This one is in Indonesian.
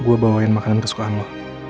gue bawain makanan kesukaan lo